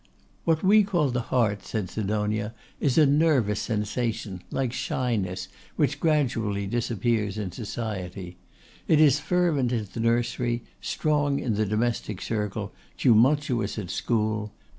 'What we call the heart,' said Sidonia, 'is a nervous sensation, like shyness, which gradually disappears in society. It is fervent in the nursery, strong in the domestic circle, tumultuous at school.